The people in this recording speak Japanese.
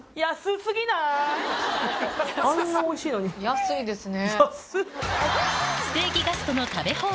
安いですね。